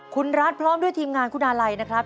คุณรัฐพร้อมด้วยทีมงานคุณอาลัยนะครับ